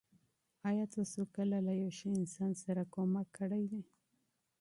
آیا تاسو کله له یو ښه انسان سره مرسته کړې؟